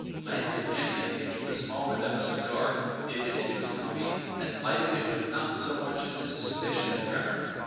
Lanyard gently pinched the small end of a cigar, dipped it into his coffee, and lighted it with not so much as a suspicion of tremor.